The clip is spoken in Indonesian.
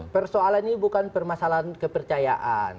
persoalan ini bukan permasalahan kepercayaan